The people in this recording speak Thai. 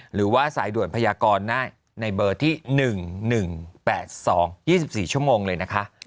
หรือว่าสายด่วนพยากรได้ในเบอร์ที่๑๑๘๒๒๔ชั่วโมงเลยนะคะ